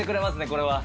これは。